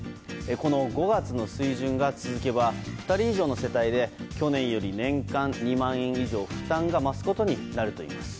この５月の水準が続けば２人以上の世帯で去年より年間２万円以上、負担が増すことになるといいます。